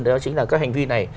đó chính là các hành vi này